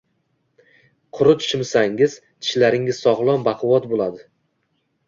Qurut shimsangiz, tishlaringiz sog‘lom, baquvvat bo‘ladi.